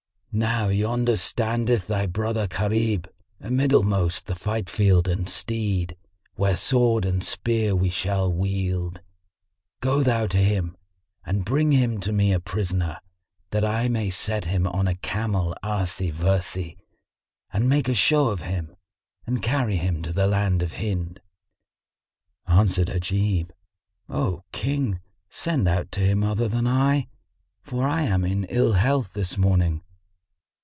Now yonder standeth thy brother Gharib amiddle most the fightfield and stead where sword and spear we shall wield; go thou to him and bring him to me a prisoner, that I may set him on a camel arsy versy, and make a show of him and carry him to the land of Hind." Answered Ajib, "O King, send out to him other than I, for I am in ill health this morning."